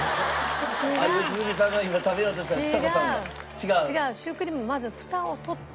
良純さんが今食べようとしたらちさ子さんが。シュークリームまずフタを取って。